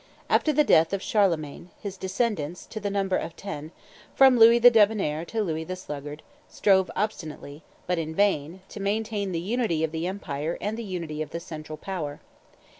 After the death of Charlemagne, his descendants, to the number of ten, from Louis the Debonnair to Louis the Sluggard, strove obstinately, but in vain, to maintain the unity of the empire and the unity of the central power.